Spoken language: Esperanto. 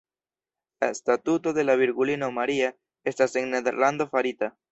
La statuo de la virgulino Maria estas en Nederlando farita.